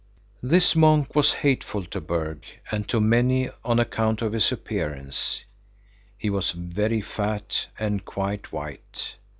This monk was hateful to Berg and to many on account of his appearance. He was very fat and quite white.